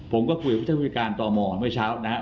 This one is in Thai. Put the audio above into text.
ผมก็คุยกับวิทยาคุณพิการตมเมื่อเช้านะครับ